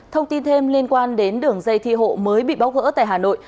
thông tin thêm liên quan đến đường dây thi hộ mới bị bóc gỡ tại hà nội